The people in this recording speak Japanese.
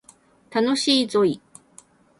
楽しいぞい